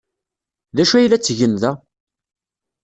D acu ay la ttgen da?